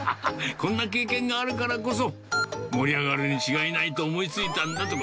こんな経験があるからこそ、盛り上がるに違いないと思いついたんだとか。